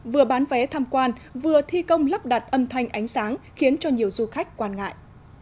vừa bán vé tham quan vừa thi công lắp đặt âm thanh ánh sáng khiến cho nhiều du khách quan ngại